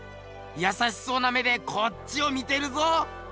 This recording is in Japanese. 優しそうな目でこっちを見てるぞ。